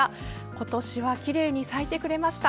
今年はきれいに咲いてくれました。